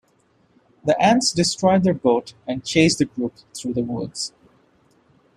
The ants destroy their boat and chase the group through the woods.